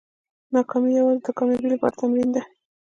ناکامي یوازې د کامیابۍ لپاره تمرین دی.